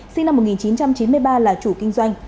sinh năm một nghìn chín trăm chín mươi ba là chủ kinh doanh